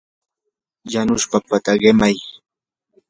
yanush papata qimay.